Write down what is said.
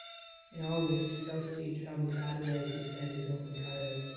In August Felstead travelled to Adelaide to defend his open title.